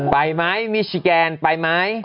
ไปไหมมิชิแกนไปไหม